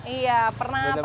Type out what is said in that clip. iya pernah pernah